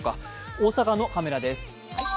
大阪のカメラです。